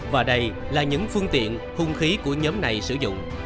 và đây là những phương tiện hung khí của nhóm này sử dụng